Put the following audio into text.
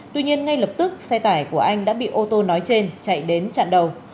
tuy nhiên ngay lập tức xe tải của anh đã bị ô tô nói trên chạy đến chặn đầu